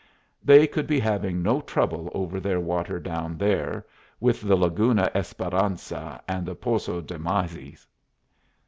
They could be having no trouble over their water down there, with the Laguna Esperanca and the Poso de Mazis.